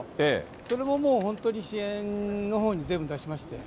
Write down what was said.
それももう、本当に支援のほうに全部出しまして。